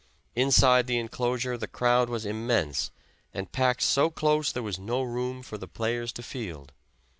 Inside the inclosure the crowd was immense, and packed so close there was no room for the players to field.